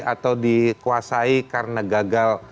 atau dikuasai karena gagal